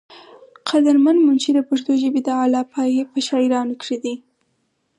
قدر مند منشي د پښتو ژبې د اعلى پائي پۀ شاعرانو کښې دے ۔